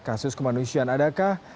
kasus kemanusiaan adakah